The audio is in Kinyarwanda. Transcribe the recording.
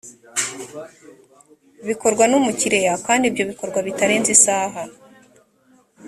bikorwa n’umukiriya kandi ibyo bigakorwa bitarenze isaha